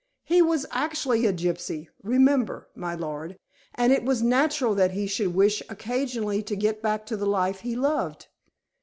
"He was actually a gypsy, remember, my lord, and it was natural that he should wish occasionally to get back to the life he loved.